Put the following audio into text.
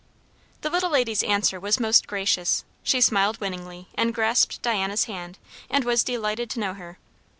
The little lady's answer was most gracious; she smiled winningly and grasped Diana's hand, and was delighted to know her.